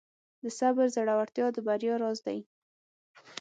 د صبر زړورتیا د بریا راز دی.